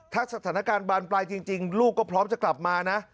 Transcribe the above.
ถ้าสถานการณ์บานปลายจริงลูกก็พร้อมจะกลับมานะ